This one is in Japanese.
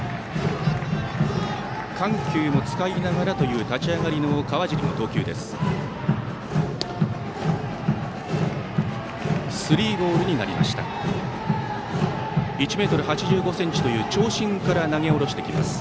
緩急を使いながらという立ち上がりの川尻の投球です。